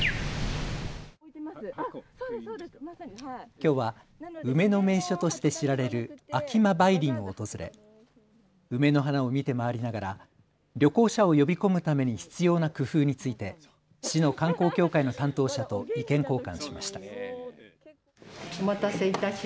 きょうは梅の名所として知られる秋間梅林を訪れ梅の花を見て回りながら旅行者を呼びこむために必要な工夫について市の観光協会の担当者と意見交換しました。